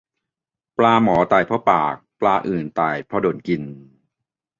ปลาหมอตายเพราะปาก ปลาอื่นตายเพราะโดนกิน